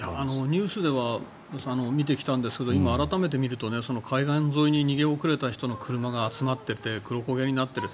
ニュースでは見てきたんですが今、改めて見ると海岸沿いに逃げ遅れた人の車が集まってて黒焦げになっている。